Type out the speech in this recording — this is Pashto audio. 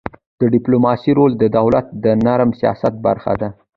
د ډيپلوماسی رول د دولت د نرم سیاست برخه ده.